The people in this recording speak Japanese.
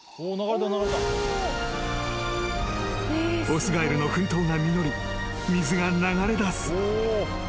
［雄ガエルの奮闘が実り水が流れだす］